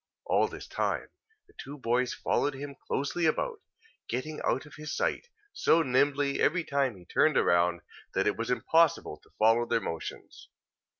All this time, the two boys followed him closely about: getting out of his sight, so nimbly, every time he turned round, that it was impossible to follow their motions.